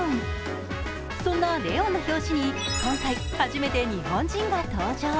そんな「ＬＥＯＮ」の表紙に今回初めて日本人が登場。